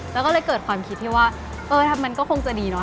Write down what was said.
แล้วก็เลยเกิดความคิดที่ว่าเออมันก็คงจะดีเนาะ